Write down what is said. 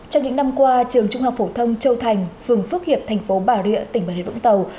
trong những năm qua trường trung học phổ thông châu thành phường phước hiệp thành phố bà rịa tỉnh bà rịa vũng tàu